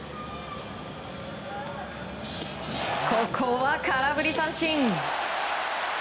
ここは空振り三振！